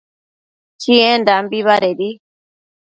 Chiendambi badedi